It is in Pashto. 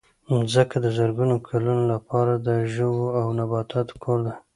مځکه د زرګونو کلونو لپاره د ژوو او نباتاتو کور دی.